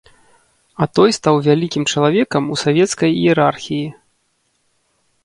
А той стаў вялікім чалавекам у савецкай іерархіі.